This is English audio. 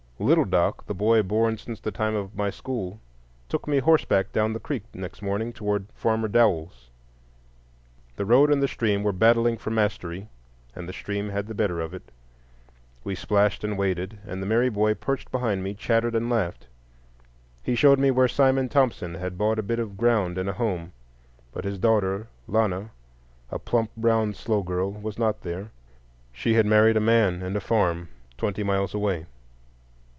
Little Doc, the boy born since the time of my school, took me horseback down the creek next morning toward Farmer Dowell's. The road and the stream were battling for mastery, and the stream had the better of it. We splashed and waded, and the merry boy, perched behind me, chattered and laughed. He showed me where Simon Thompson had bought a bit of ground and a home; but his daughter Lana, a plump, brown, slow girl, was not there. She had married a man and a farm twenty miles away.